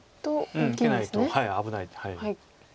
受けないと危ない。